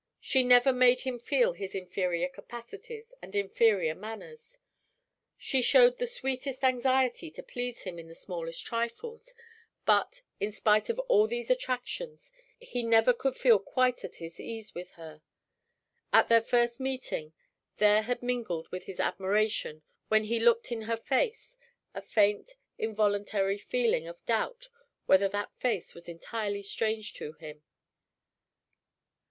She never made him feel his inferior capacities and inferior manners. She showed the sweetest anxiety to please him in the smallest trifles; but, in spite of all these attractions, he never could feel quite at his ease with her. At their first meeting, there had mingled with his admiration, when he looked in her face, a faint, involuntary feeling of doubt whether that face was entirely strange to him.